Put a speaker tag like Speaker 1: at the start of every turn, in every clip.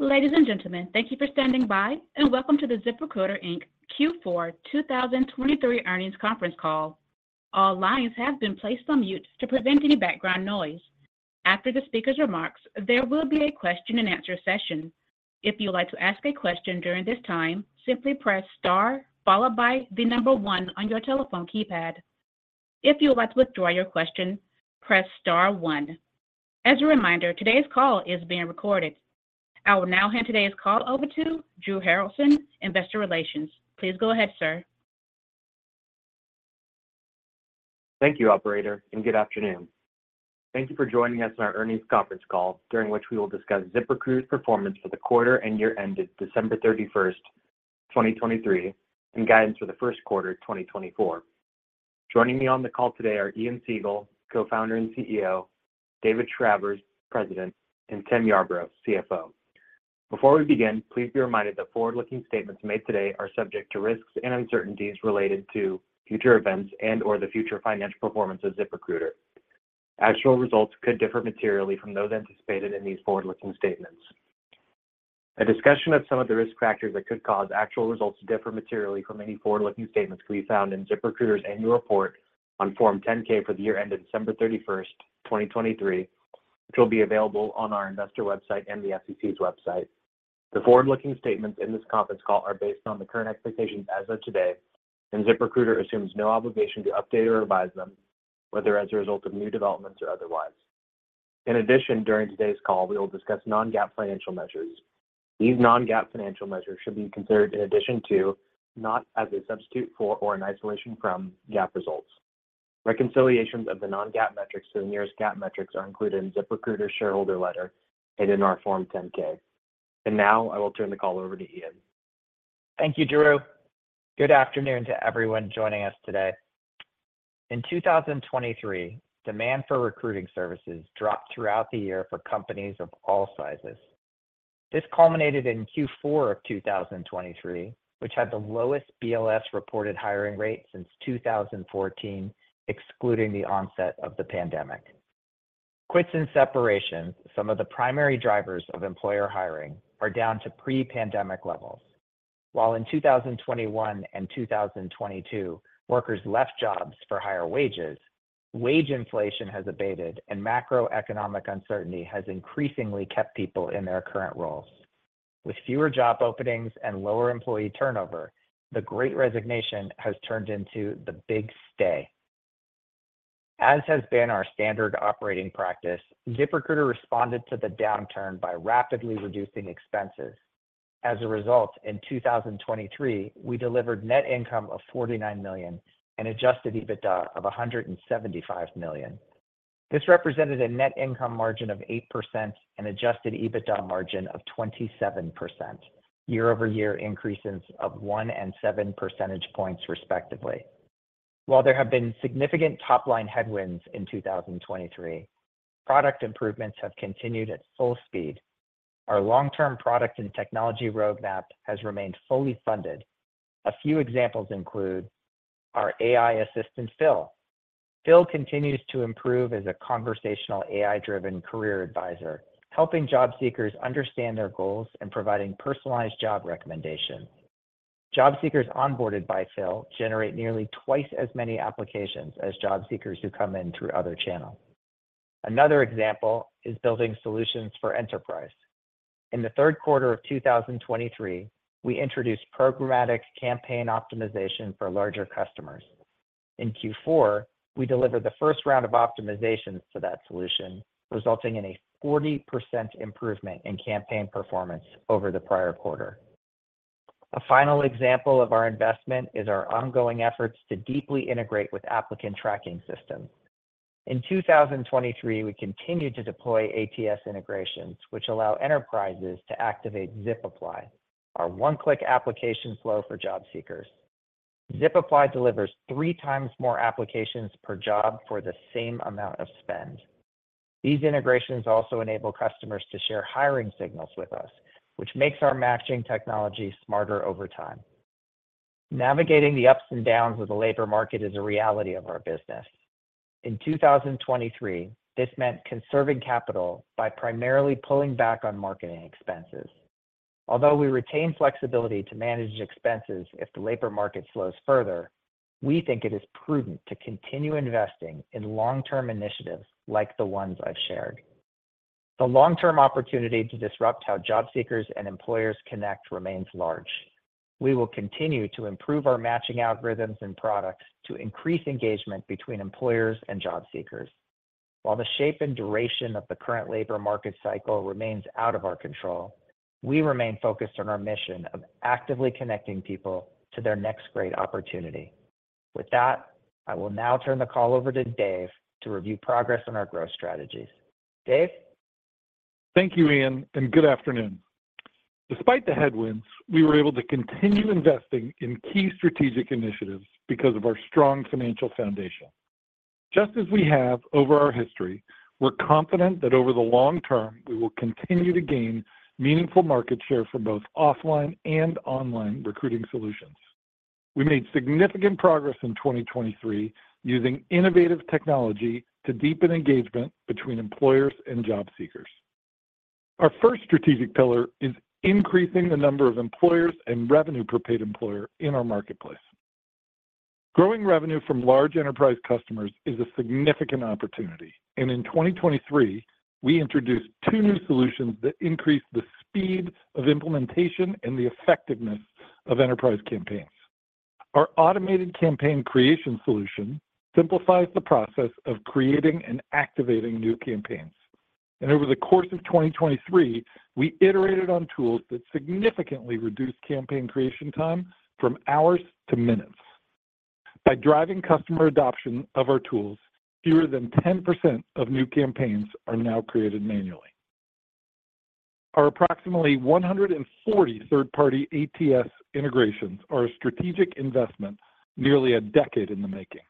Speaker 1: Ladies and gentlemen, thank you for standing by and welcome to the ZipRecruiter, Inc. Q4 2023 earnings conference call. All lines have been placed on mute to prevent any background noise. After the speaker's remarks, there will be a Q&A session. If you would like to ask a question during this time, simply press star followed by the number one on your telephone keypad. If you would like to withdraw your question, press star one. As a reminder, today's call is being recorded. I will now hand today's call over to Drew Haroldson, Investor Relations. Please go ahead, sir.
Speaker 2: Thank you, operator, and good afternoon. Thank you for joining us in our earnings conference call, during which we will discuss ZipRecruiter's performance for the quarter-end of December 31st, 2023, and guidance for the Q1, 2024. Joining me on the call today are Ian Siegel, Co-founder and CEO, David Travers, President, and Tim Yarbrough, CFO. Before we begin, please be reminded that forward-looking statements made today are subject to risks and uncertainties related to future events and/or the future financial performance of ZipRecruiter. Actual results could differ materially from those anticipated in these forward-looking statements. A discussion of some of the risk factors that could cause actual results to differ materially from any forward-looking statements can be found in ZipRecruiter's annual report on Form 10-K for the year-end of December 31st, 2023, which will be available on our investor website and the SEC's website. The forward-looking statements in this conference call are based on the current expectations as of today, and ZipRecruiter assumes no obligation to update or revise them, whether as a result of new developments or otherwise. In addition, during today's call, we will discuss non-GAAP financial measures. These non-GAAP financial measures should be considered in addition to, not as a substitute for or an isolation from, GAAP results. Reconciliations of the non-GAAP metrics to the nearest GAAP metrics are included in ZipRecruiter's shareholder letter and in our Form 10-K. Now I will turn the call over to Ian.
Speaker 3: Thank you, Drew. Good afternoon to everyone joining us today. In 2023, demand for recruiting services dropped throughout the year for companies of all sizes. This culminated in Q4 of 2023, which had the lowest BLS reported hiring rate since 2014, excluding the onset of the pandemic. Quits and separations, some of the primary drivers of employer hiring, are down to pre-pandemic levels. While in 2021 and 2022 workers left jobs for higher wages, wage inflation has abated, and macroeconomic uncertainty has increasingly kept people in their current roles. With fewer job openings and lower employee turnover, the Great Resignation has turned into the Big Stay. As has been our standard operating practice, ZipRecruiter responded to the downturn by rapidly reducing expenses. As a result, in 2023, we delivered net income of $49 million and adjusted EBITDA of $175 million. This represented a net income margin of 8% and adjusted EBITDA margin of 27%, year-over-year increases of 1 and 7 percentage points, respectively. While there have been significant top-line headwinds in 2023, product improvements have continued at full speed. Our long-term product and technology roadmap has remained fully funded. A few examples include our AI assistant, Phil. Phil continues to improve as a conversational AI-driven career advisor, helping job seekers understand their goals and providing personalized job recommendations. Job seekers onboarded by Phil generate nearly twice as many applications as job seekers who come in through other channels. Another example is building solutions for enterprise. In the Q3 of 2023, we introduced programmatic campaign optimization for larger customers. In Q4, we delivered the first round of optimizations to that solution, resulting in a 40% improvement in campaign performance over the prior quarter. A final example of our investment is our ongoing efforts to deeply integrate with applicant tracking systems. In 2023, we continued to deploy ATS integrations, which allow enterprises to activate ZipApply, our one-click application flow for job seekers. ZipApply delivers three times more applications per job for the same amount of spend. These integrations also enable customers to share hiring signals with us, which makes our matching technology smarter over time. Navigating the ups and downs of the labor market is a reality of our business. In 2023, this meant conserving capital by primarily pulling back on marketing expenses. Although we retain flexibility to manage expenses if the labor market slows further, we think it is prudent to continue investing in long-term initiatives like the ones I've shared. The long-term opportunity to disrupt how job seekers and employers connect remains large. We will continue to improve our matching algorithms and products to increase engagement between employers and job seekers. While the shape and duration of the current labor market cycle remains out of our control, we remain focused on our mission of actively connecting people to their next great opportunity. With that, I will now turn the call over to Dave to review progress on our growth strategies. Dave?
Speaker 4: Thank you, Ian, and good afternoon. Despite the headwinds, we were able to continue investing in key strategic initiatives because of our strong financial foundation. Just as we have over our history, we're confident that over the long term we will continue to gain meaningful market share for both offline and online recruiting solutions. We made significant progress in 2023 using innovative technology to deepen engagement between employers and job seekers. Our first strategic pillar is increasing the number of employers and revenue per paid employer in our marketplace. Growing revenue from large enterprise customers is a significant opportunity, and in 2023 we introduced two new solutions that increased the speed of implementation and the effectiveness of enterprise campaigns. Our automated campaign creation solution simplifies the process of creating and activating new campaigns, and over the course of 2023 we iterated on tools that significantly reduced campaign creation time from hours to minutes. By driving customer adoption of our tools, fewer than 10% of new campaigns are now created manually. Our approximately 140 third-party ATS integrations are a strategic investment nearly a decade in the making.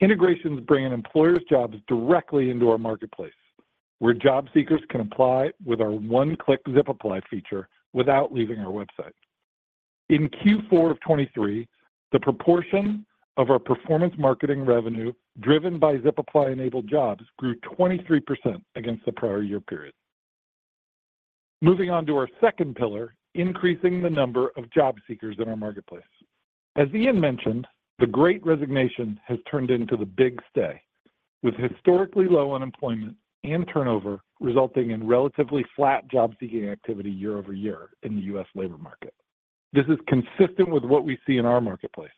Speaker 4: Integrations bring in employers' jobs directly into our marketplace, where job seekers can apply with our one-click ZipApply feature without leaving our website. In Q4 of 2023, the proportion of our performance marketing revenue driven by ZipApply-enabled jobs grew 23% against the prior year period. Moving on to our second pillar, increasing the number of job seekers in our marketplace. As Ian mentioned, the Great Resignation has turned into the Big Stay, with historically low unemployment and turnover resulting in relatively flat job-seeking activity year-over-year in the U.S. labor market. This is consistent with what we see in our marketplace.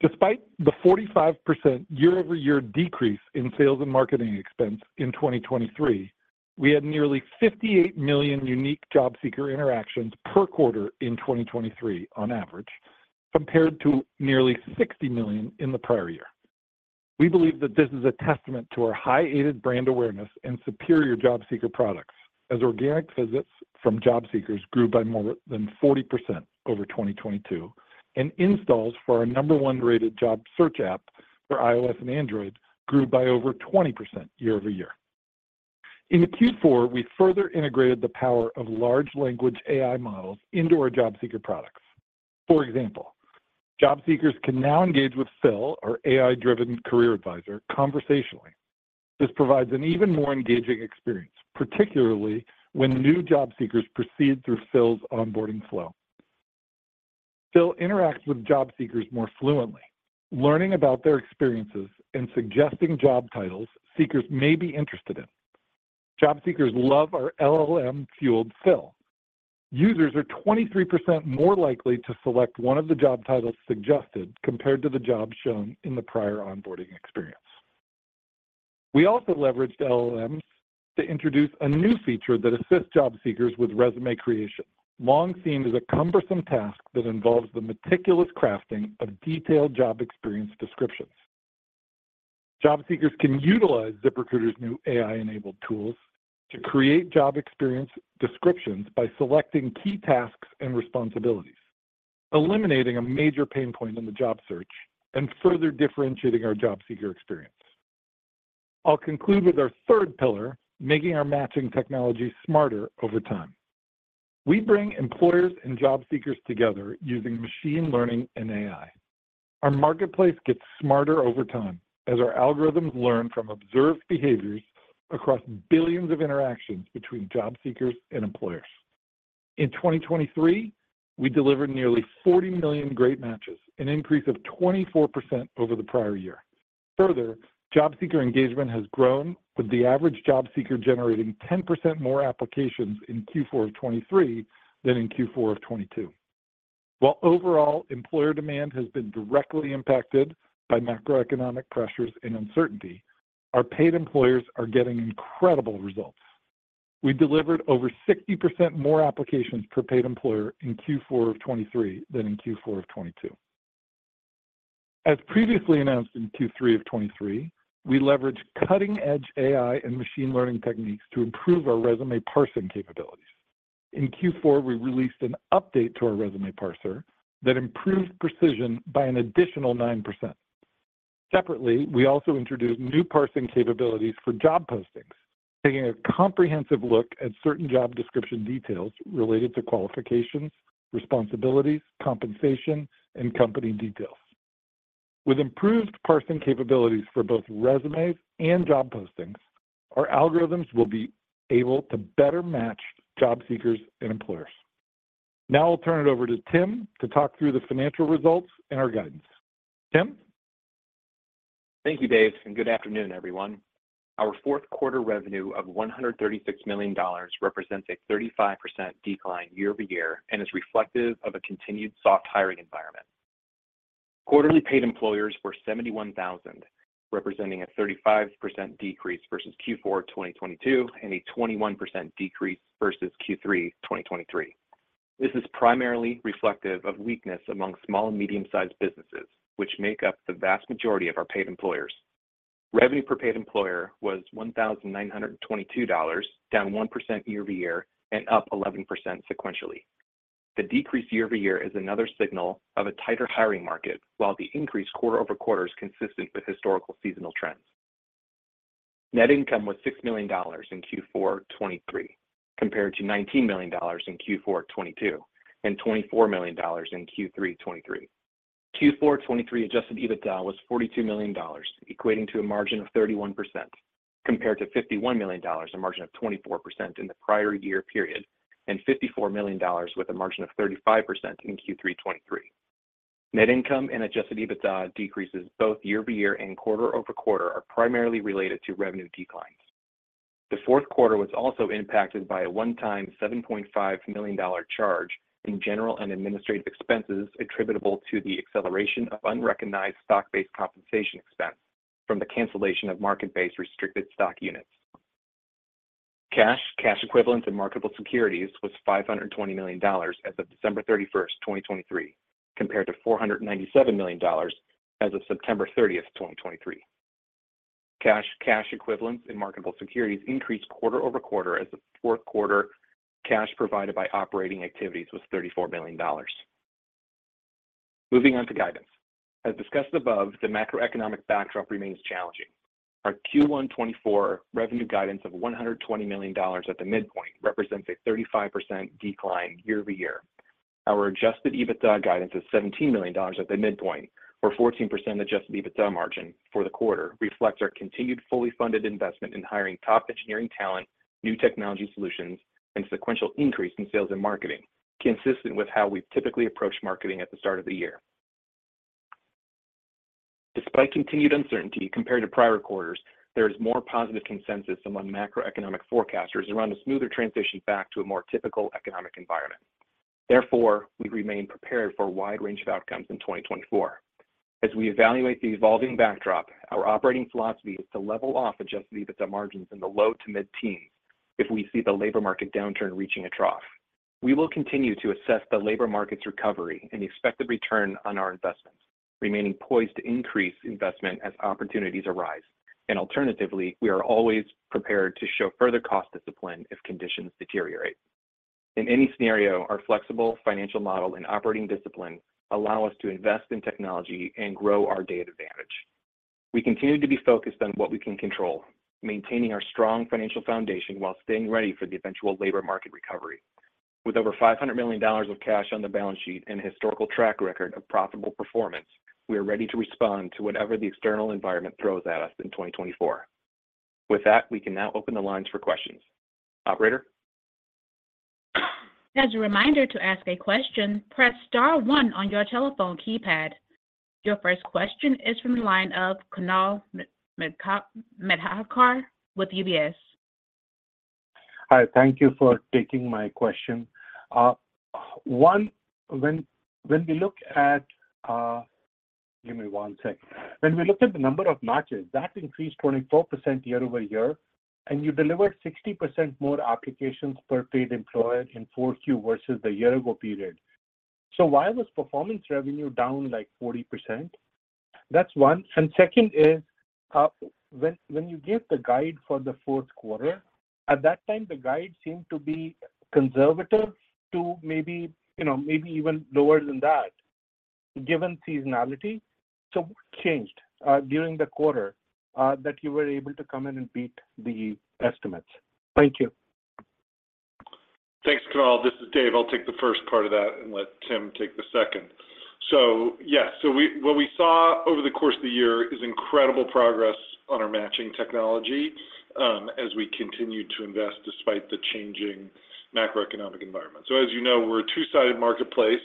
Speaker 4: Despite the 45% year-over-year decrease in sales and marketing expense in 2023, we had nearly 58 million unique job seeker interactions per quarter in 2023 on average, compared to nearly 60 million in the prior year. We believe that this is a testament to our highly-rated brand awareness and superior job seeker products, as organic visits from job seekers grew by more than 40% over 2022, and installs for our number one-rated job search app for iOS and Android grew by over 20% year-over-year. In Q4, we further integrated the power of large language AI models into our job seeker products. For example, job seekers can now engage with Phil, our AI-driven career advisor, conversationally. This provides an even more engaging experience, particularly when new job seekers proceed through Phil's onboarding flow. Phil interacts with job seekers more fluently, learning about their experiences and suggesting job titles seekers may be interested in. Job seekers love our LLM-fueled Phil. Users are 23% more likely to select one of the job titles suggested compared to the jobs shown in the prior onboarding experience. We also leveraged LLMs to introduce a new feature that assists job seekers with resume creation, long seen as a cumbersome task that involves the meticulous crafting of detailed job experience descriptions. Job seekers can utilize ZipRecruiter's new AI-enabled tools to create job experience descriptions by selecting key tasks and responsibilities, eliminating a major pain point in the job search and further differentiating our job seeker experience. I'll conclude with our third pillar, making our matching technology smarter over time. We bring employers and job seekers together using machine learning and AI. Our marketplace gets smarter over time as our algorithms learn from observed behaviors across billions of interactions between job seekers and employers. In 2023, we delivered nearly 40 million Great Matches, an increase of 24% over the prior year. Further, job seeker engagement has grown, with the average job seeker generating 10% more applications in Q4 of 2023 than in Q4 of 2022. While overall employer demand has been directly impacted by macroeconomic pressures and uncertainty, our paid employers are getting incredible results. We delivered over 60% more applications per paid employer in Q4 of 2023 than in Q4 of 2022. As previously announced in Q3 of 2023, we leveraged cutting-edge AI and machine learning techniques to improve our resume parsing capabilities. In Q4, we released an update to our resume parser that improved precision by an additional 9%. Separately, we also introduced new parsing capabilities for job postings, taking a comprehensive look at certain job description details related to qualifications, responsibilities, compensation, and company details. With improved parsing capabilities for both resumes and job postings, our algorithms will be able to better match job seekers and employers. Now I'll turn it over to Tim to talk through the financial results and our guidance. Tim?
Speaker 5: Thank you, Dave, and good afternoon, everyone. Our Q4 revenue of $136 million represents a 35% decline year-over-year and is reflective of a continued soft hiring environment. Quarterly paid employers were 71,000, representing a 35% decrease versus Q4 of 2022 and a 21% decrease versus Q3 of 2023. This is primarily reflective of weakness among small and medium-sized businesses, which make up the vast majority of our paid employers. Revenue per paid employer was $1,922, down 1% year-over-year and up 11% sequentially. The decrease year-over-year is another signal of a tighter hiring market while the increase quarter-over-quarter is consistent with historical seasonal trends. Net income was $6 million in Q4 of 2023, compared to $19 million in Q4 of 2022 and $24 million in Q3 of 2023. Q4 of 2023 adjusted EBITDA was $42 million, equating to a margin of 31%, compared to $51 million, a margin of 24% in the prior year period, and $54 million with a margin of 35% in Q3 of 2023. Net income and adjusted EBITDA decreases both year-over-year and quarter-over-quarter are primarily related to revenue declines. The Q4 was also impacted by a one-time $7.5 million charge in general and administrative expenses attributable to the acceleration of unrecognized stock-based compensation expense from the cancellation of market-based restricted stock units. Cash, cash equivalents, and marketable securities was $520 million as of December 31st, 2023, compared to $497 million as of September 30th, 2023. Cash, cash equivalents, and marketable securities increased quarter-over-quarter as the Q4 cash provided by operating activities was $34 million. Moving on to guidance. As discussed above, the macroeconomic backdrop remains challenging. Our Q1 2024 revenue guidance of $120 million at the midpoint represents a 35% decline year-over-year. Our adjusted EBITDA guidance of $17 million at the midpoint, or 14% adjusted EBITDA margin for the quarter, reflects our continued fully funded investment in hiring top engineering talent, new technology solutions, and sequential increase in sales and marketing, consistent with how we've typically approached marketing at the start of the year. Despite continued uncertainty compared to prior quarters, there is more positive consensus among macroeconomic forecasters around a smoother transition back to a more typical economic environment. Therefore, we remain prepared for a wide range of outcomes in 2024. As we evaluate the evolving backdrop, our operating philosophy is to level off adjusted EBITDA margins in the low to mid-teens if we see the labor market downturn reaching a trough. We will continue to assess the labor market's recovery and expected return on our investments, remaining poised to increase investment as opportunities arise. And alternatively, we are always prepared to show further cost discipline if conditions deteriorate. In any scenario, our flexible financial model and operating discipline allow us to invest in technology and grow our data advantage. We continue to be focused on what we can control, maintaining our strong financial foundation while staying ready for the eventual labor market recovery. With over $500 million of cash on the balance sheet and a historical track record of profitable performance, we are ready to respond to whatever the external environment throws at us in 2024. With that, we can now open the lines for questions. Operator?
Speaker 1: As a reminder to ask a question, press star one on your telephone keypad. Your first question is from the line of Kunal Madhukar with UBS.
Speaker 6: Hi, thank you for taking my question. When we look at give me one second. When we look at the number of matches, that increased 24% year-over-year, and you delivered 60% more applications per paid employer in Q4 versus the year-ago period. So why was performance revenue down like 40%? That's one. And second is, when you gave the guide for the Q4, at that time the guide seemed to be conservative to maybe even lower than that, given seasonality. So what changed during the quarter that you were able to come in and beat the estimates? Thank you.
Speaker 4: Thanks, Kunal. This is Dave. I'll take the first part of that and let Tim take the second. So yes, so what we saw over the course of the year is incredible progress on our matching technology as we continue to invest despite the changing macroeconomic environment. So as you know, we're a two-sided marketplace,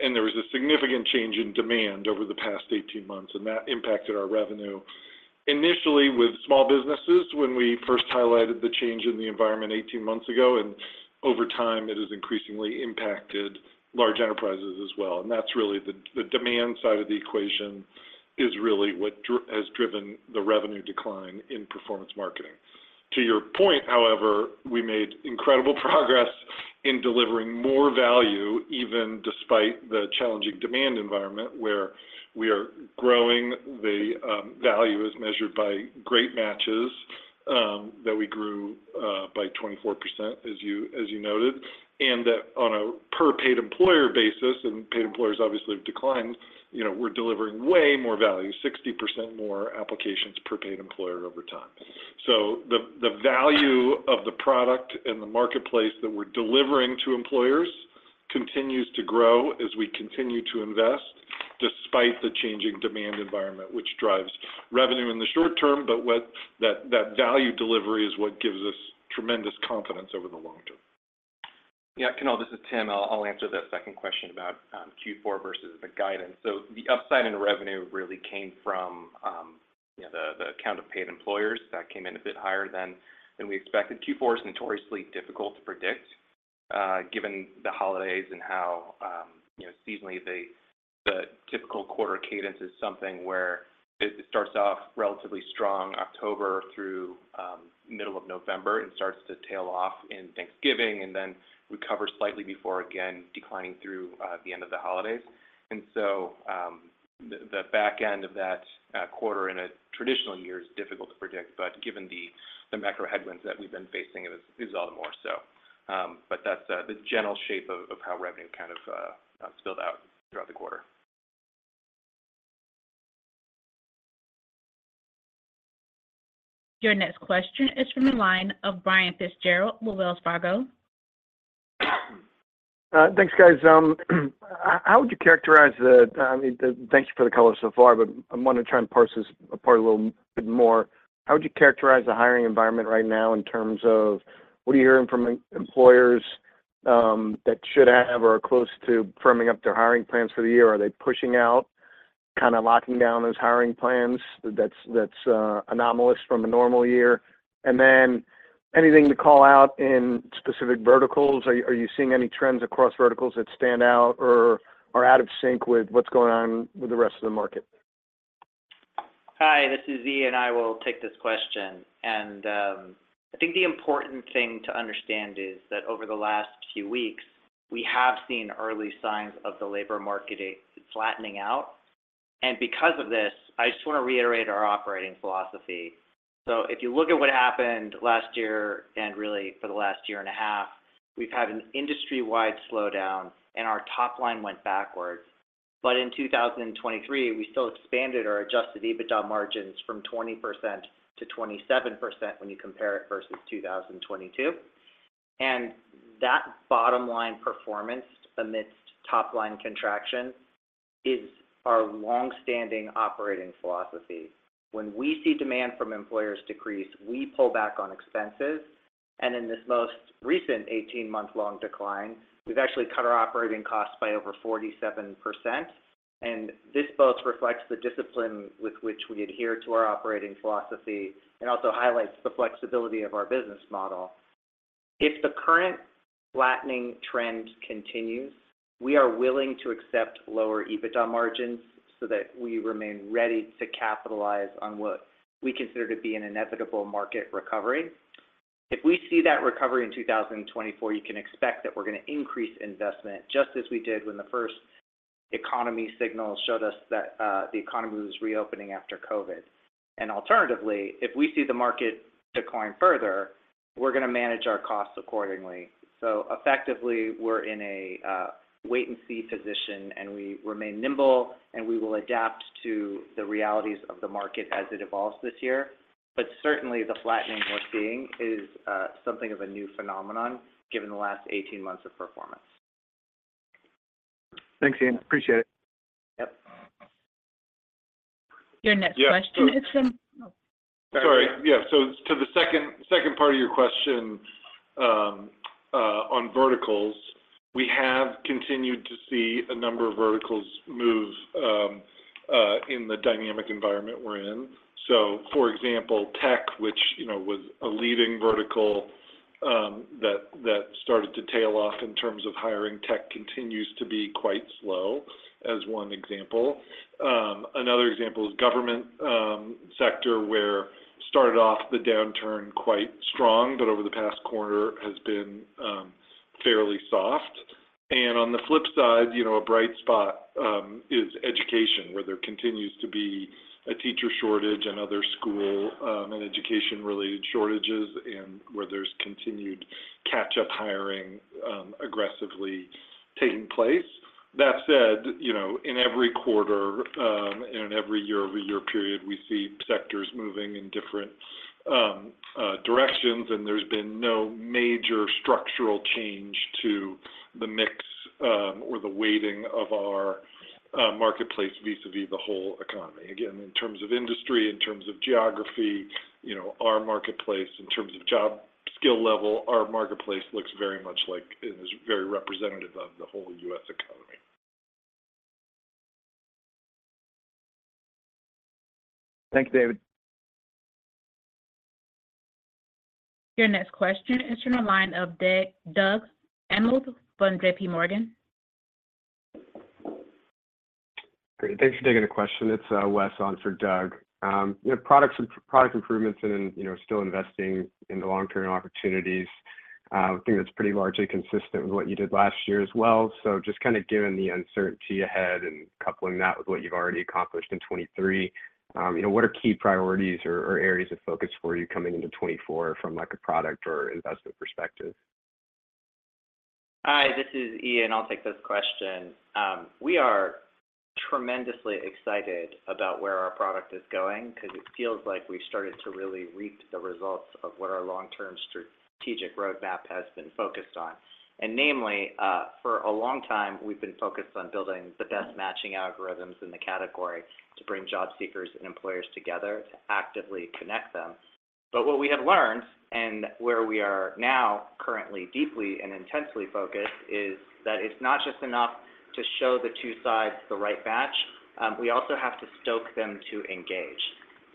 Speaker 4: and there was a significant change in demand over the past 18 months, and that impacted our revenue. Initially, with small businesses, when we first highlighted the change in the environment 18 months ago, and over time it has increasingly impacted large enterprises as well. And that's really the demand side of the equation is really what has driven the revenue decline in performance marketing. To your point, however, we made incredible progress in delivering more value, even despite the challenging demand environment where we are growing the value as measured by Great Matches that we grew by 24%, as you noted. And that on a per paid employer basis, and paid employers obviously have declined, we're delivering way more value, 60% more applications per paid employer over time. So the value of the product and the marketplace that we're delivering to employers continues to grow as we continue to invest despite the changing demand environment, which drives revenue in the short term, but that value delivery is what gives us tremendous confidence over the long term.
Speaker 5: Yeah, Kunal, this is Tim. I'll answer that second question about Q4 versus the guidance. The upside in revenue really came from the count of paid employers that came in a bit higher than we expected. Q4 is notoriously difficult to predict given the holidays and how seasonally the typical quarter cadence is something where it starts off relatively strong October through middle of November and starts to tail off in Thanksgiving and then recovers slightly before again declining through the end of the holidays. The back end of that quarter in a traditional year is difficult to predict, but given the macro headwinds that we've been facing, it is all the more so. That's the general shape of how revenue kind of spilled out throughout the quarter.
Speaker 1: Your next question is from the line of Brian Fitzgerald with Wells Fargo.
Speaker 7: Thanks, guys. Thank you for the color so far, but I want to try and parse this apart a little bit more. How would you characterize the hiring environment right now in terms of what are you hearing from employers that should have or are close to firming up their hiring plans for the year? Are they pushing out, kind of locking down those hiring plans that's anomalous from a normal year? And then anything to call out in specific verticals? Are you seeing any trends across verticals that stand out or are out of sync with what's going on with the rest of the market?
Speaker 3: Hi, this is Ian, and I will take this question. I think the important thing to understand is that over the last few weeks, we have seen early signs of the labor market flattening out. Because of this, I just want to reiterate our operating philosophy. If you look at what happened last year and really for the last year and a half, we've had an industry-wide slowdown and our top line went backwards. But in 2023, we still expanded our adjusted EBITDA margins from 20% to 27% when you compare it versus 2022. That bottom line performance amidst top line contraction is our longstanding operating philosophy. When we see demand from employers decrease, we pull back on expenses. In this most recent 18-month-long decline, we've actually cut our operating costs by over 47%. This both reflects the discipline with which we adhere to our operating philosophy and also highlights the flexibility of our business model. If the current flattening trend continues, we are willing to accept lower EBITDA margins so that we remain ready to capitalize on what we consider to be an inevitable market recovery. If we see that recovery in 2024, you can expect that we're going to increase investment just as we did when the first economy signals showed us that the economy was reopening after COVID. Alternatively, if we see the market decline further, we're going to manage our costs accordingly. Effectively, we're in a wait-and-see position and we remain nimble and we will adapt to the realities of the market as it evolves this year. Certainly, the flattening we're seeing is something of a new phenomenon given the last 18 months of performance.
Speaker 7: Thanks, Ian. Appreciate it.
Speaker 3: Yep.
Speaker 1: Your next question is from.
Speaker 4: Sorry. Yeah, so to the second part of your question on verticals, we have continued to see a number of verticals move in the dynamic environment we're in. So for example, tech, which was a leading vertical that started to tail off in terms of hiring, tech continues to be quite slow as one example. Another example is the government sector where it started off the downturn quite strong, but over the past quarter has been fairly soft. On the flip side, a bright spot is education where there continues to be a teacher shortage and other school and education-related shortages and where there's continued catch-up hiring aggressively taking place. That said, in every quarter and in every year-over-year period, we see sectors moving in different directions and there's been no major structural change to the mix or the weighting of our marketplace vis-à-vis the whole economy. Again, in terms of industry, in terms of geography, our marketplace, in terms of job skill level, our marketplace looks very much like and is very representative of the whole U.S. economy.
Speaker 7: Thank you, David.
Speaker 1: Your next question is from the line of Doug Anmuth from JPMorgan.
Speaker 8: Great. Thanks for taking the question. It's Wes on for Doug. Product improvements and still investing in the long-term opportunities. I think that's pretty largely consistent with what you did last year as well. So just kind of given the uncertainty ahead and coupling that with what you've already accomplished in 2023, what are key priorities or areas of focus for you coming into 2024 from a product or investment perspective?
Speaker 3: Hi, this is Ian. I'll take this question. We are tremendously excited about where our product is going because it feels like we've started to really reap the results of what our long-term strategic roadmap has been focused on. And namely, for a long time, we've been focused on building the best matching algorithms in the category to bring job seekers and employers together, to actively connect them. But what we have learned and where we are now currently deeply and intensely focused is that it's not just enough to show the two sides the right match. We also have to stoke them to engage.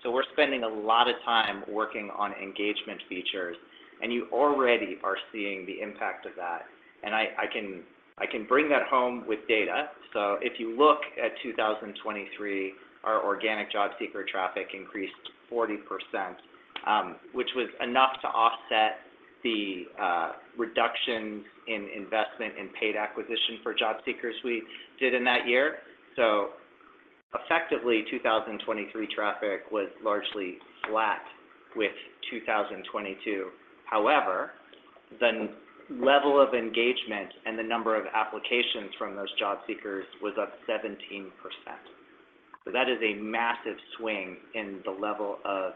Speaker 3: So we're spending a lot of time working on engagement features, and you already are seeing the impact of that. And I can bring that home with data. If you look at 2023, our organic job seeker traffic increased 40%, which was enough to offset the reductions in investment in paid acquisition for job seekers we did in that year. Effectively, 2023 traffic was largely flat with 2022. However, the level of engagement and the number of applications from those job seekers was up 17%. That is a massive swing in the level of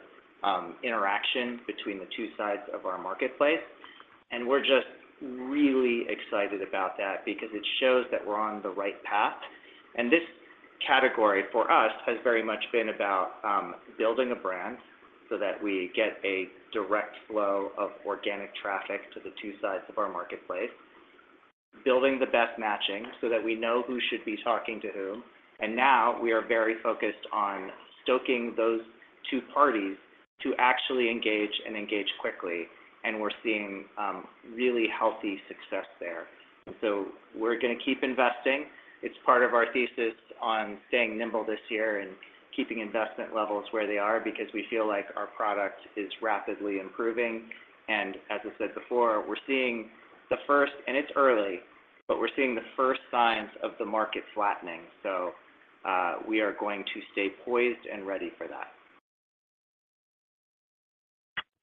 Speaker 3: interaction between the two sides of our marketplace. We're just really excited about that because it shows that we're on the right path. This category for us has very much been about building a brand so that we get a direct flow of organic traffic to the two sides of our marketplace, building the best matching so that we know who should be talking to whom. Now we are very focused on stoking those two parties to actually engage and engage quickly. We're seeing really healthy success there. So we're going to keep investing. It's part of our thesis on staying nimble this year and keeping investment levels where they are because we feel like our product is rapidly improving. As I said before, we're seeing the first and it's early, but we're seeing the first signs of the market flattening. So we are going to stay poised and ready for that.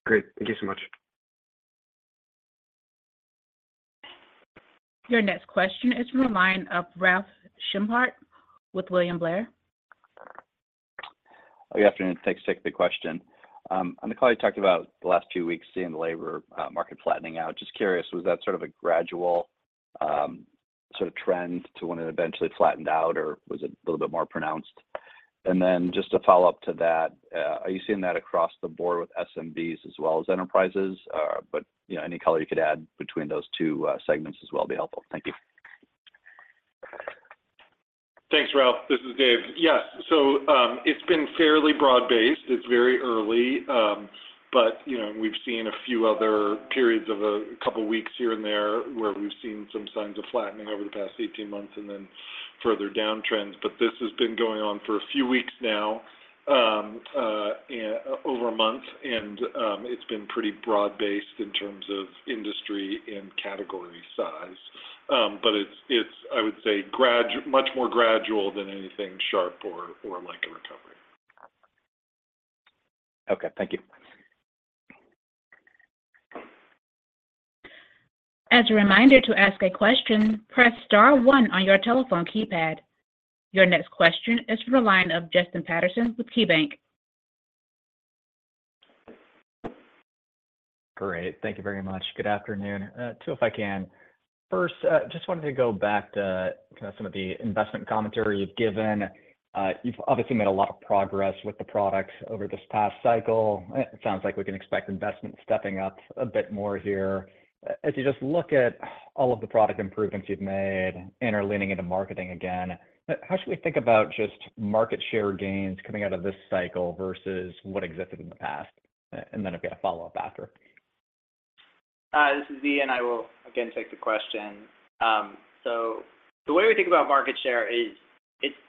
Speaker 8: Great. Thank you so much.
Speaker 1: Your next question is from the line of Ralph Schackart with William Blair.
Speaker 9: Good afternoon. Thanks for taking the question. I'm the colleague who talked about the last few weeks seeing the labor market flattening out. Just curious, was that sort of a gradual sort of trend to when it eventually flattened out or was it a little bit more pronounced? And then just a follow-up to that, are you seeing that across the board with SMBs as well as enterprises? But any color you could add between those two segments as well would be helpful. Thank you.
Speaker 4: Thanks, Ralph. This is Dave. Yes, so it's been fairly broad-based. It's very early. But we've seen a few other periods of a couple of weeks here and there where we've seen some signs of flattening over the past 18 months and then further downtrends. But this has been going on for a few weeks now, over a month, and it's been pretty broad-based in terms of industry and category size. But it's, I would say, much more gradual than anything sharp or like a recovery.
Speaker 9: Okay. Thank you.
Speaker 1: As a reminder to ask a question, press star one on your telephone keypad. Your next question is from the line of Justin Patterson with KeyBanc.
Speaker 10: Great. Thank you very much. Good afternoon. Two, if I can. First, I just wanted to go back to kind of some of the investment commentary you've given. You've obviously made a lot of progress with the product over this past cycle. It sounds like we can expect investment stepping up a bit more here. As you just look at all of the product improvements you've made and are leaning into marketing again, how should we think about just market share gains coming out of this cycle versus what existed in the past? And then if you had a follow-up after.
Speaker 3: This is Ian. I will, again, take the question. So the way we think about market share is it's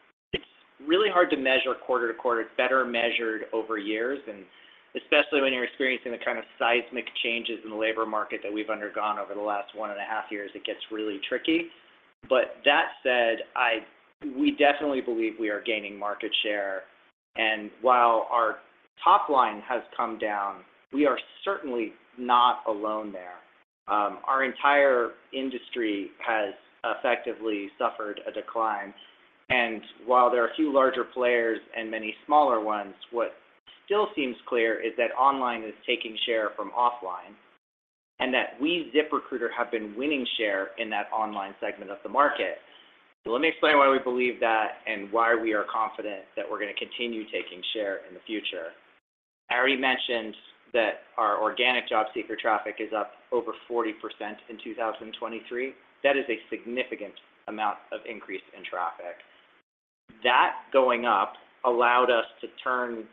Speaker 3: really hard to measure quarter to quarter. It's better measured over years. And especially when you're experiencing the kind of seismic changes in the labor market that we've undergone over the last 1.5 years, it gets really tricky. But that said, we definitely believe we are gaining market share. And while our top line has come down, we are certainly not alone there. Our entire industry has effectively suffered a decline. And while there are a few larger players and many smaller ones, what still seems clear is that online is taking share from offline and that we ZipRecruiter have been winning share in that online segment of the market. So let me explain why we believe that and why we are confident that we're going to continue taking share in the future. I already mentioned that our organic job seeker traffic is up over 40% in 2023. That is a significant amount of increase in traffic. That going up allowed us to turn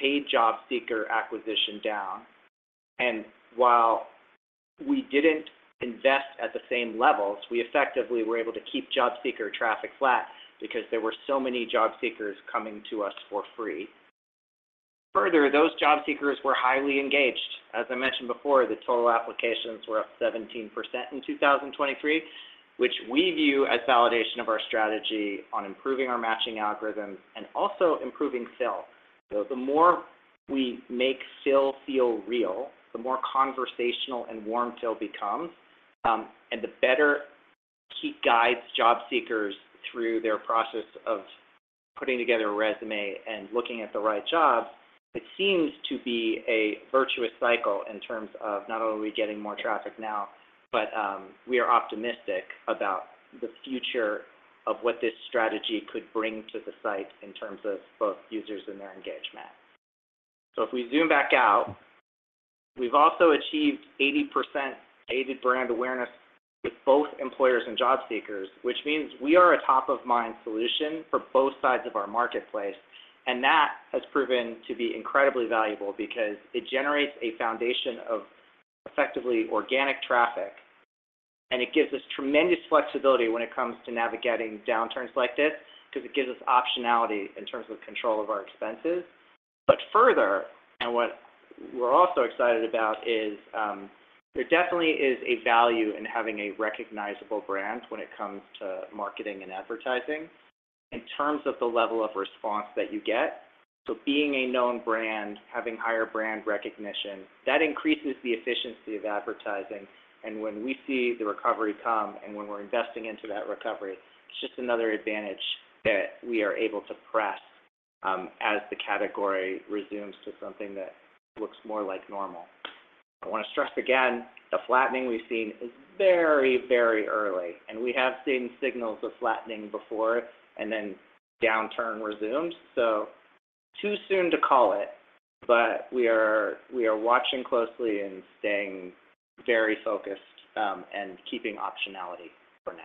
Speaker 3: paid job seeker acquisition down. And while we didn't invest at the same levels, we effectively were able to keep job seeker traffic flat because there were so many job seekers coming to us for free. Further, those job seekers were highly engaged. As I mentioned before, the total applications were up 17% in 2023, which we view as validation of our strategy on improving our matching algorithms and also improving fill. So the more we make Phil feel real, the more conversational and warm Phil becomes, and the better it guides job seekers through their process of putting together a resume and looking at the right jobs. It seems to be a virtuous cycle in terms of not only getting more traffic now, but we are optimistic about the future of what this strategy could bring to the site in terms of both users and their engagement. So if we zoom back out, we've also achieved 80% gated brand awareness with both employers and job seekers, which means we are a top-of-mind solution for both sides of our marketplace. And that has proven to be incredibly valuable because it generates a foundation of effectively organic traffic. It gives us tremendous flexibility when it comes to navigating downturns like this because it gives us optionality in terms of control of our expenses. But further, and what we're also excited about is there definitely is a value in having a recognizable brand when it comes to marketing and advertising in terms of the level of response that you get. So being a known brand, having higher brand recognition, that increases the efficiency of advertising. And when we see the recovery come and when we're investing into that recovery, it's just another advantage that we are able to press as the category resumes to something that looks more like normal. I want to stress again, the flattening we've seen is very, very early. And we have seen signals of flattening before and then downturn resumes. So too soon to call it, but we are watching closely and staying very focused and keeping optionality for now.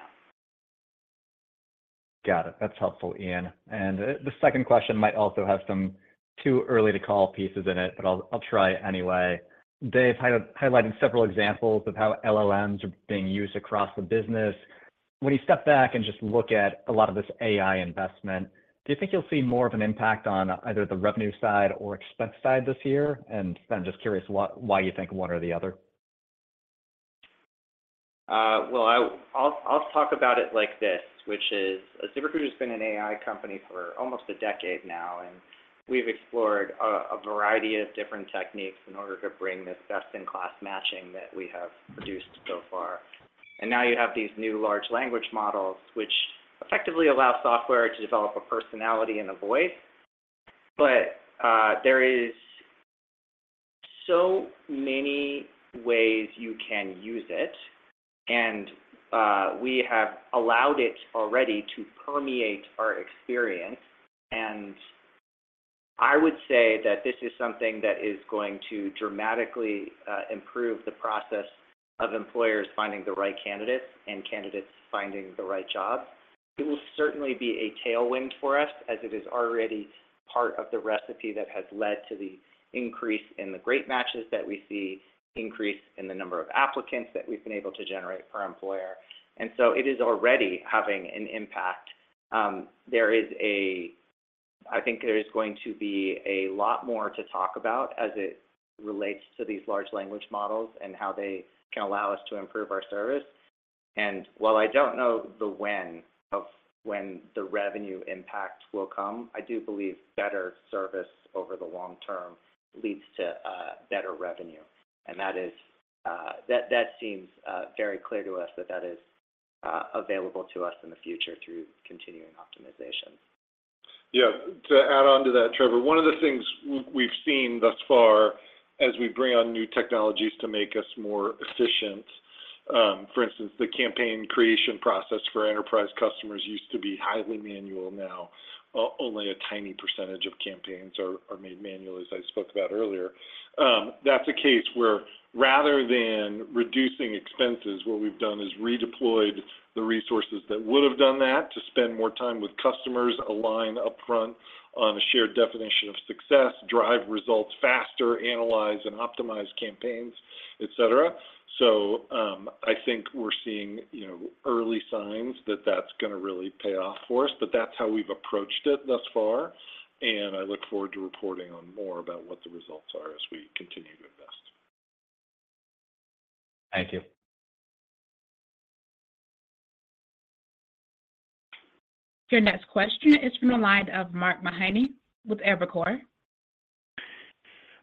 Speaker 10: Got it. That's helpful, Ian. And the second question might also have some too early-to-call pieces in it, but I'll try anyway. Dave highlighted several examples of how LLMs are being used across the business. When you step back and just look at a lot of this AI investment, do you think you'll see more of an impact on either the revenue side or expense side this year? And then just curious why you think one or the other.
Speaker 3: Well, I'll talk about it like this, which is ZipRecruiter has been an AI company for almost a decade now, and we've explored a variety of different techniques in order to bring this best-in-class matching that we have produced so far. Now you have these new large language models, which effectively allow software to develop a personality and a voice. There are so many ways you can use it, and we have allowed it already to permeate our experience. I would say that this is something that is going to dramatically improve the process of employers finding the right candidates and candidates finding the right jobs. It will certainly be a tailwind for us as it is already part of the recipe that has led to the increase in the Great Matches that we see, increase in the number of applicants that we've been able to generate per employer. So it is already having an impact. I think there is going to be a lot more to talk about as it relates to these large language models and how they can allow us to improve our service. While I don't know the when of when the revenue impact will come, I do believe better service over the long term leads to better revenue. That seems very clear to us that that is available to us in the future through continuing optimizations.
Speaker 4: Yeah. To add on to that, Trevor, one of the things we've seen thus far as we bring on new technologies to make us more efficient, for instance, the campaign creation process for enterprise customers used to be highly manual. Now only a tiny percentage of campaigns are made manual, as I spoke about earlier. That's a case where rather than reducing expenses, what we've done is redeployed the resources that would have done that to spend more time with customers, align upfront on a shared definition of success, drive results faster, analyze and optimize campaigns, etc. So I think we're seeing early signs that that's going to really pay off for us. But that's how we've approached it thus far. And I look forward to reporting on more about what the results are as we continue to invest.
Speaker 10: Thank you.
Speaker 1: Your next question is from the line of Mark Mahaney with Evercore.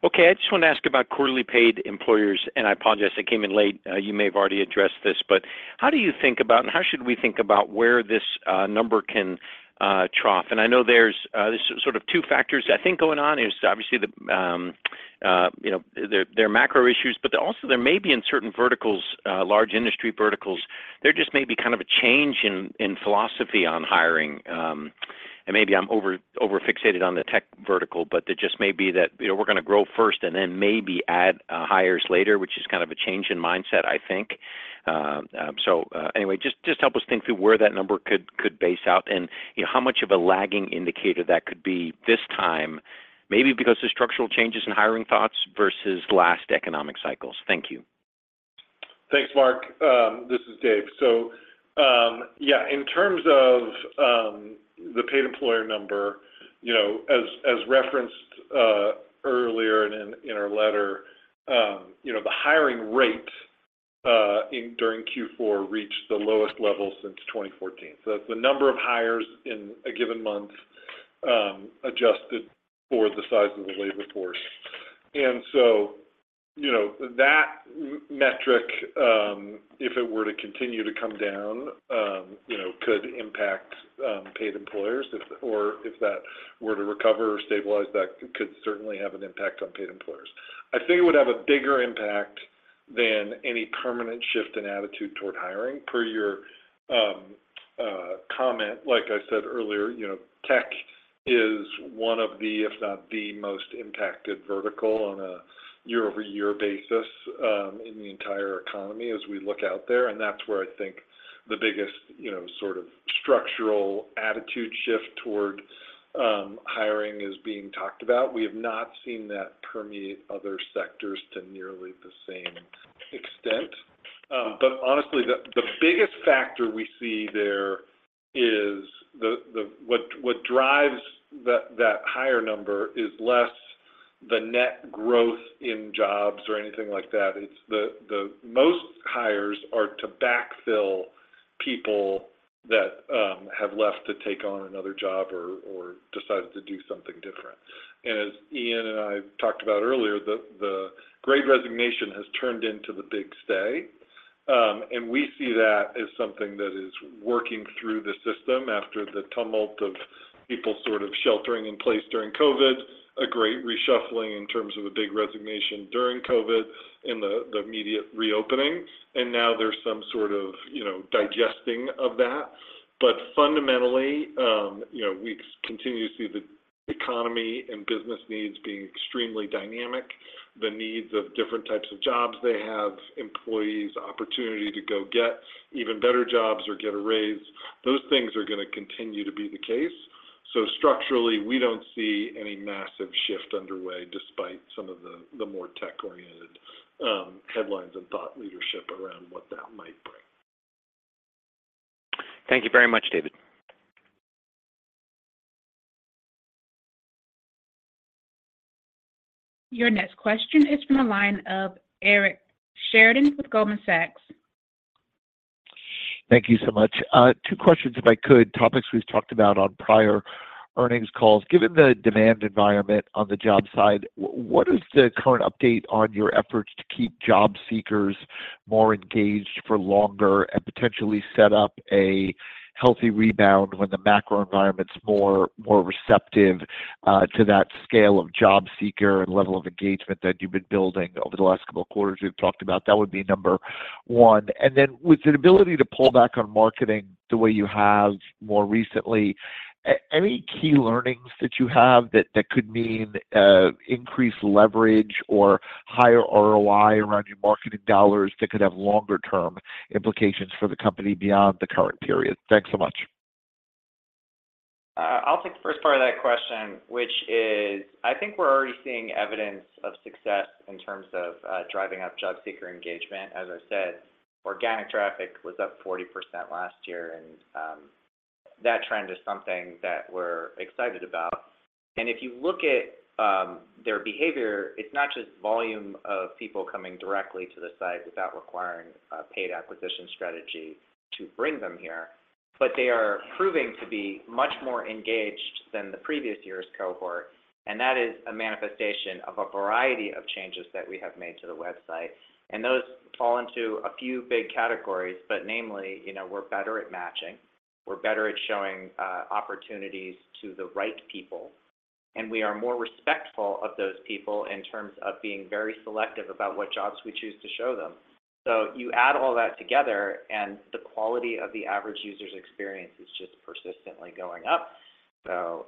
Speaker 11: Okay. I just want to ask about quarterly paid employers. I apologize. It came in late. You may have already addressed this, but how do you think about and how should we think about where this number can trough? I know there's sort of two factors, I think, going on. It's obviously there are macro issues, but also there may be in certain verticals, large industry verticals, there just may be kind of a change in philosophy on hiring. Maybe I'm over-fixated on the tech vertical, but there just may be that we're going to grow first and then maybe add hires later, which is kind of a change in mindset, I think. So anyway, just help us think through where that number could base out and how much of a lagging indicator that could be this time, maybe because of structural changes in hiring thoughts versus last economic cycles. Thank you.
Speaker 4: Thanks, Mark. This is Dave. So yeah, in terms of the paid employer number, as referenced earlier in our letter, the hiring rate during Q4 reached the lowest level since 2014. So that's the number of hires in a given month adjusted for the size of the labor force. And so that metric, if it were to continue to come down, could impact paid employers. Or if that were to recover or stabilize, that could certainly have an impact on paid employers. I think it would have a bigger impact than any permanent shift in attitude toward hiring. Per your comment, like I said earlier, tech is one of the, if not the most impacted vertical on a year-over-year basis in the entire economy as we look out there. And that's where I think the biggest sort of structural attitude shift toward hiring is being talked about. We have not seen that permeate other sectors to nearly the same extent. But honestly, the biggest factor we see there is what drives that higher number is less the net growth in jobs or anything like that. Most hires are to backfill people that have left to take on another job or decided to do something different. And as Ian and I talked about earlier, the Great Resignation has turned into the Big Stay. And we see that as something that is working through the system after the tumult of people sort of sheltering in place during COVID, a great reshuffling in terms of a big resignation during COVID and the immediate reopening. And now there's some sort of digesting of that. But fundamentally, we continue to see the economy and business needs being extremely dynamic. The needs of different types of jobs they have, employees' opportunity to go get even better jobs or get a raise, those things are going to continue to be the case. So structurally, we don't see any massive shift underway despite some of the more tech-oriented headlines and thought leadership around what that might bring.
Speaker 11: Thank you very much, David.
Speaker 1: Your next question is from the line of Eric Sheridan with Goldman Sachs.
Speaker 12: Thank you so much. Two questions, if I could, topics we've talked about on prior earnings calls. Given the demand environment on the job side, what is the current update on your efforts to keep job seekers more engaged for longer and potentially set up a healthy rebound when the macro environment's more receptive to that scale of job seeker and level of engagement that you've been building over the last couple of quarters we've talked about? That would be number one. And then with the ability to pull back on marketing the way you have more recently, any key learnings that you have that could mean increased leverage or higher ROI around your marketing dollars that could have longer-term implications for the company beyond the current period? Thanks so much.
Speaker 3: I'll take the first part of that question, which is I think we're already seeing evidence of success in terms of driving up job seeker engagement. As I said, organic traffic was up 40% last year, and that trend is something that we're excited about. And if you look at their behavior, it's not just volume of people coming directly to the site without requiring a paid acquisition strategy to bring them here, but they are proving to be much more engaged than the previous year's cohort. And that is a manifestation of a variety of changes that we have made to the website. And those fall into a few big categories, but namely, we're better at matching. We're better at showing opportunities to the right people. And we are more respectful of those people in terms of being very selective about what jobs we choose to show them. You add all that together, and the quality of the average user's experience is just persistently going up.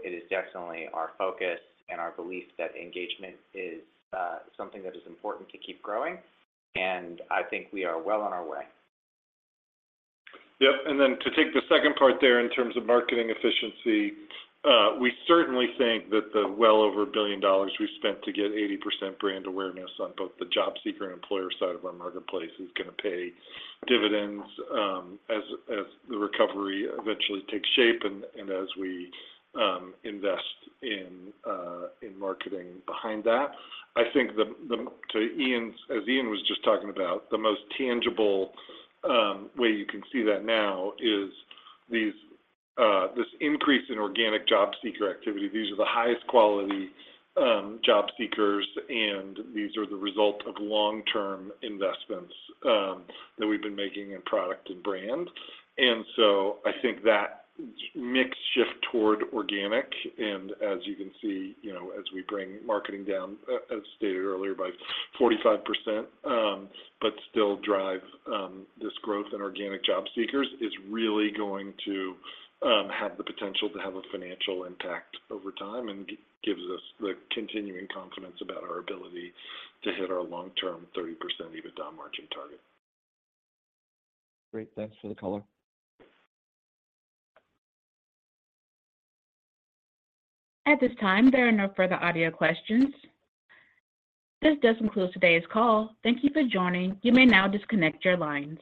Speaker 3: It is definitely our focus and our belief that engagement is something that is important to keep growing. I think we are well on our way.
Speaker 4: Yep. And then to take the second part there in terms of marketing efficiency, we certainly think that the well over $1 billion we've spent to get 80% brand awareness on both the job seeker and employer side of our marketplace is going to pay dividends as the recovery eventually takes shape and as we invest in marketing behind that. I think, as Ian was just talking about, the most tangible way you can see that now is this increase in organic job seeker activity. These are the highest quality job seekers, and these are the result of long-term investments that we've been making in product and brand. And so I think that mix shift toward organic and, as you can see, as we bring marketing down, as stated earlier, by 45% but still drive this growth in organic job seekers is really going to have the potential to have a financial impact over time and gives us the continuing confidence about our ability to hit our long-term 30% EBITDA margin target.
Speaker 12: Great. Thanks for the caller.
Speaker 1: At this time, there are no further audio questions. This does conclude today's call. Thank you for joining. You may now disconnect your lines.